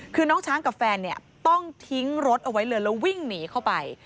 คือน้องช้างกับแฟนเนี่ยต้องทิ้งรถเอาไว้เลยแล้ววิ่งหนีเข้าไป